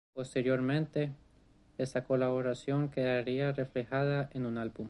Posteriormente, esta colaboración quedaría reflejada en un álbum.